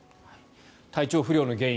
体調不良の原因